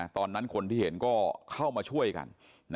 ตอนนั้นคนที่เห็นก็เข้ามาช่วยกัน